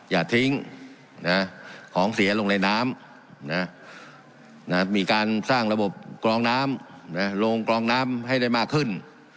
อย่าทิ้งของเสียลงในน้ำมีการสร้างระบบกรองน้ำลงกรองน้ำให้ได้มากขึ้น